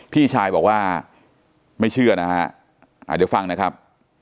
พี่ชายบอกว่าไม่เชื่อนะฮะเดี๋ยวฟังนะครับ